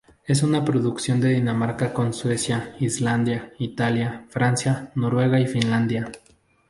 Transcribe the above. Es una coproducción de Dinamarca con Suecia, Islandia, Italia, Francia, Noruega y Finlandia.